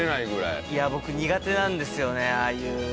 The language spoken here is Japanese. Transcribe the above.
いや僕苦手なんですよねああいう。